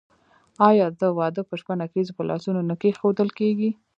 آیا د واده په شپه نکریزې په لاسونو نه کیښودل کیږي؟